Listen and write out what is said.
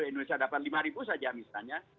indonesia dapat lima ribu saja misalnya